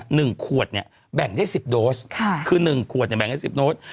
หนึ่งขวดเนี่ยแบ่งได้สิบโดสค่ะคือหนึ่งขวดเนี่ยแบ่งให้สิบโดส